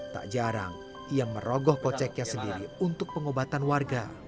tak jarang ia merogoh koceknya sendiri untuk pengobatan warga